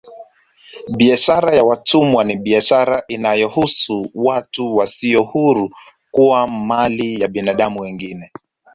Biashara ya watumwa ni biashara inayohusu watu wasio huru kuwa mali ya binadamu wengine